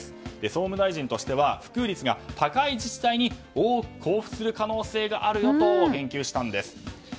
総務大臣としては普及率が高い自治体に多く交付する可能性があるよと言及したんです。